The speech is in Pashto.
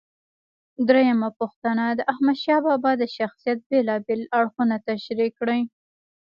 درېمه پوښتنه: د احمدشاه بابا د شخصیت بېلابېل اړخونه تشریح کړئ.